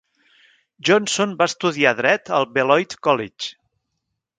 Johnson va estudiar dret al Beloit College.